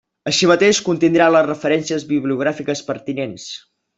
Així mateix, contindrà les referències bibliogràfiques pertinents.